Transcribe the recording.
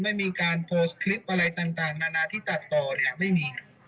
ไม่มีการโพสต์คลิปอะไรต่างนานาที่ตัดต่อเนี่ยไม่มี